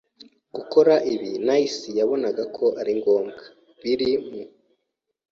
Gukora ibindi NIC yabona ko ari ngombwa biri mu